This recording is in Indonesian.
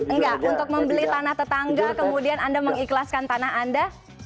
enggak untuk membeli tanah tetangga kemudian anda mengikhlaskan tanah anda